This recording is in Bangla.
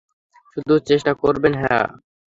শুধু চেষ্টা করবেন, হ্যাঁ?